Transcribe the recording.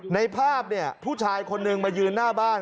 ในภาพเนี่ยผู้ชายคนนึงมายืนหน้าบ้าน